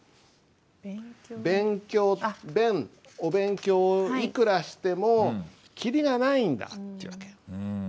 お勉強をいくらしてもきりがないんだっていう訳。